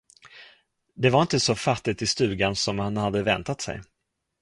Det var inte så fattigt i stugan, som han hade väntat sig.